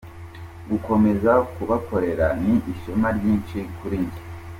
Gukomeza kubakorera, ni ishema ryinshi kuri njye.